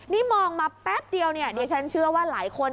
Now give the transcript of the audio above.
นี่มองมาแป๊บเดียวเนี่ยดิฉันเชื่อว่าหลายคน